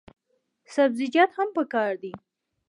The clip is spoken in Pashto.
سبزیجات هم پکار دي.